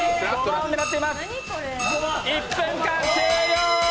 １分間終了！